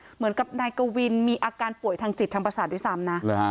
เหมือนกับนายกวินมีอาการป่วยทางจิตทางประสาทด้วยซ้ำนะ